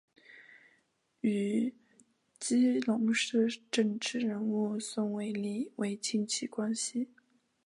与基隆市政治人物宋玮莉为亲戚关系。